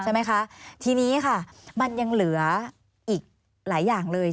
ใช่ไหมคะทีนี้ค่ะมันยังเหลืออีกหลายอย่างเลย